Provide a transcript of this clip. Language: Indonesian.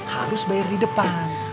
harus bayar di depan